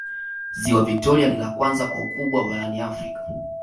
ziwa victoria ni la kwanza kwa ukubwa barani afrika